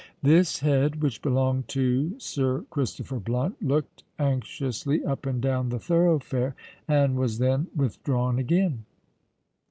This head—which belonged to Sir Christopher Blunt—looked anxiously up and down the thoroughfare, and was then withdrawn again.